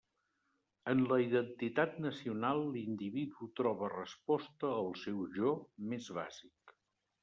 En la identitat nacional l'individu troba resposta al seu «jo» més bàsic.